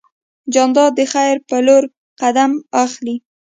جانداد د خیر په لور قدم اخلي.